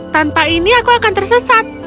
tanpa ini aku akan tersesat